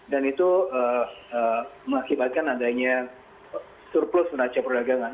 dan itu mengakibatkan adanya surplus meraca perdagangan